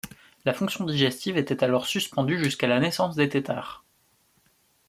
La fonction digestive était alors suspendue jusqu'à la naissance des têtards.